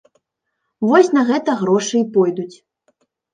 Вось на гэта грошы і пойдуць.